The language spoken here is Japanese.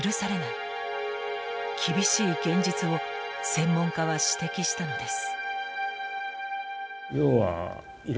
厳しい現実を専門家は指摘したのです。